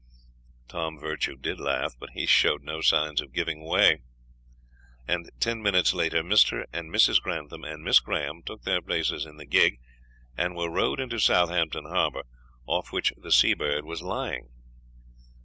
Tom Virtue laughed, but he showed no signs of giving way, and ten minutes later Mr. and Mrs. Grantham and Miss Graham took their places in the gig, and were rowed into Southampton Harbor, off which the Seabird was lying.